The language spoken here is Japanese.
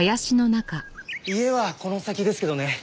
家はこの先ですけどね。